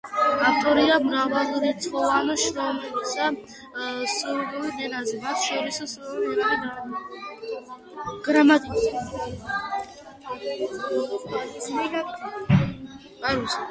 ავტორია მრავალრიცხოვანი შრომებისა სლოვენურ ენაზე, მათ შორის „სლოვენური ენის გრამატიკა“.